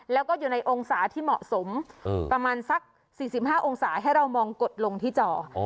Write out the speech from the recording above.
แล้วก็อยู่ในองศาที่เหมาะสมประมาณสัก๔๕องศาให้เรามองกดลงที่จอ